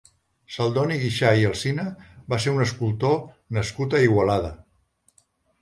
Celdoni Guixà i Alsina va ser un escultor nascut a Igualada.